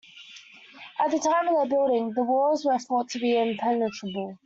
At the time of their building, the walls were thought to be impenetrable.